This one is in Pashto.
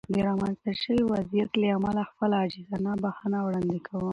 د رامنځته شوې وضعیت له امله خپله عاجزانه بښنه وړاندې کوم.